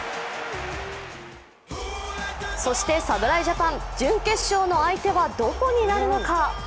そして侍ジャパン準決勝の相手はどこになるのか。